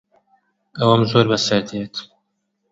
ئەوەم زۆر بەسەر دێت.